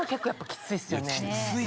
きついですよ。